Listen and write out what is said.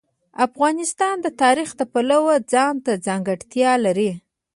افغانستان د تاریخ د پلوه ځانته ځانګړتیا لري.